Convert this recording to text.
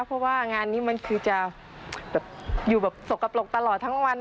เพราะว่างานนี้มันคือจะอยู่แบบสกปรกตลอดทั้งวัน